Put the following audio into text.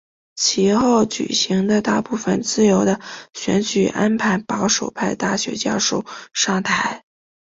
其后举行的大部分自由的选举安排保守派大学教授上台。